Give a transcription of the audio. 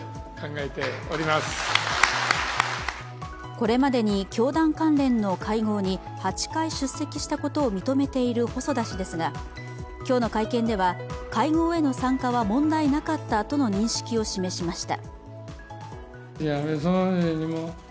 これまでに教団関連の会合に８回出席したことを認めている細田氏ですが、今日の会見では、会合への参加は問題なかったとの認識を示しました。